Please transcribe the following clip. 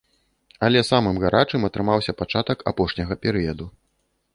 Але самым гарачым атрымаўся пачатак апошняга перыяду.